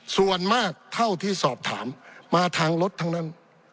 ส่วนมากเท่าที่สอบถามมาทางรถทั้งนั้น